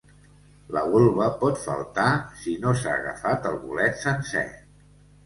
La volva pot faltar si no s'ha agafat el bolet sencer.